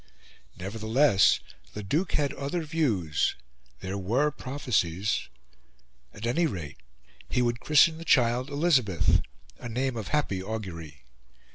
Nevertheless, the Duke had other views: there were prophecies... At any rate, he would christen the child Elizabeth, a name of happy augury.